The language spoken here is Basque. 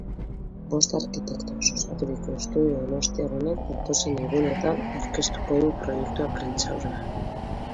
Bost arkitektoz osaturiko estudio donostiar honek datozen egunetan aurkeztuko du proiektua prentsaurrean.